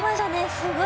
すごい！